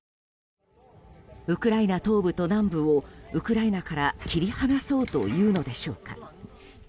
ウクライナ東部と南部をウクライナから切り離そうというのでしょうか。